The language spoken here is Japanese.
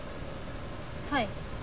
はい。